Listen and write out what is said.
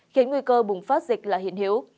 khiến nguy cơ bùng phát dịch là hiện hiếu